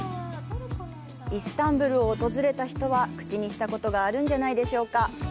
イスタンブールを訪れた人は口にしたことがあるんじゃないでしょうか。